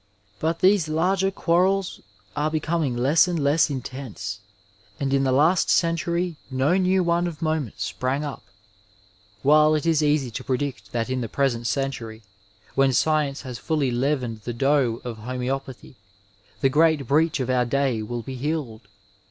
But these larger quarrels are becoming less and less intense, and in the last century no new one of moment sprang up, while it is easy to predict that in the present century, when science has fully leavened the dough of houKBpathy, the great breach of oiur day will be healed.